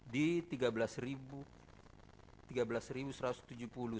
di tiga belas rupiah